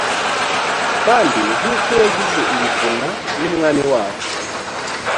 kandi nk uko yagize i libuna n umwami waho